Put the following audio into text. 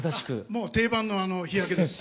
もう定番の日焼けです。